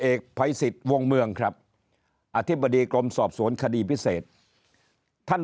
เอกภัยสิทธิ์วงเมืองครับอธิบดีกรมสอบสวนคดีพิเศษท่าน